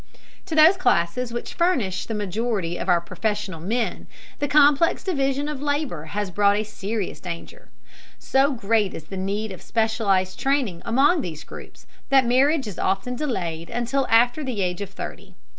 To those classes which furnish the majority of our professional men, the complex division of labor has brought a serious danger. So great is the need of specialized training among these groups that marriage is often delayed until after the age of thirty.